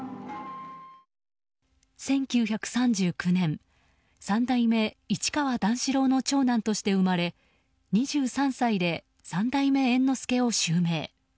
１９３９年、三代目市川段四郎の長男として生まれ２３歳で三代目猿之助を襲名。